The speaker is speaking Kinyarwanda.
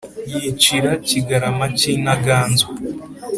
yicira Kigarama cy’Intaganzwa,